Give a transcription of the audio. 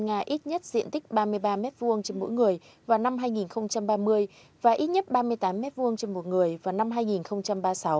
nga ít nhất diện tích ba mươi ba m hai trên mỗi người vào năm hai nghìn ba mươi và ít nhất ba mươi tám m hai trên một người vào năm hai nghìn ba mươi sáu